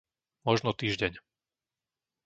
Možno týždeň.